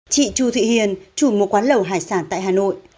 chị chu thị hiền chủ một quán lầu hải sản tại hà nội